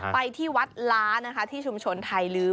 ไปที่วัดล้านะคะที่ชุมชนไทยลื้อ